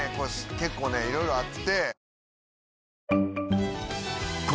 結構いろいろあって。